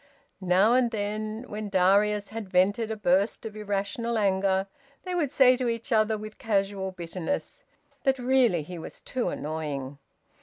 Now and then, when Darius had vented a burst of irrational anger, they would say to each other with casual bitterness that really he was too annoying.